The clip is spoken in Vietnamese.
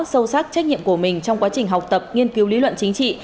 sâu sắc trách nhiệm của mình trong quá trình học tập nghiên cứu lý luận chính trị